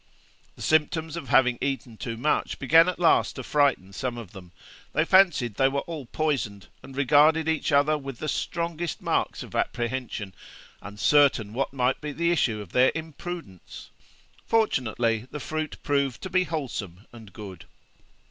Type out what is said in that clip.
The symptoms of having eaten too much began at last to frighten some of them; they fancied they were all poisoned, and regarded each other with the strongest marks of apprehension, uncertain what might be the issue of their imprudence: fortunately the fruit proved to be wholesome and good.